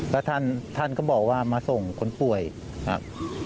ครับท่านก็บอกว่ามาส่งคนป่วยครับ